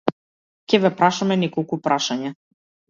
Ќе ве прашаме неколку прашања.